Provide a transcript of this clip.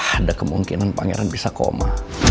ada kemungkinan pangeran bisa koma